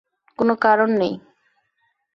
কোন কারণ নেই।